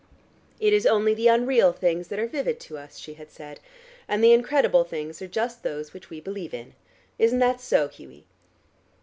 "It is only the unreal things that are vivid to us," she had said, "and the incredible things are just those which we believe in. Isn't that so, Hughie?"